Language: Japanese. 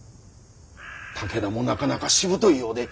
武田もなかなかしぶといようで。